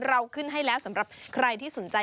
เราขึ้นให้แล้วสำหรับใครที่สนใจ